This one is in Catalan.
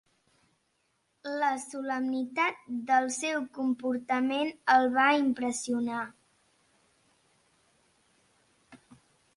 La solemnitat del seu comportament el va impressionar.